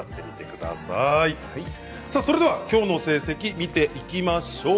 さあそれではきょうの成績見ていきましょう。